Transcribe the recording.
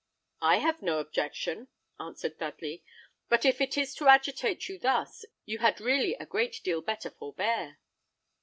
"I have no objection," answered Dudley; "but if it is to agitate you thus, you had really a great deal better forbear."